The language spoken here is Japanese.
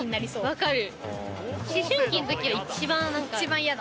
分かる。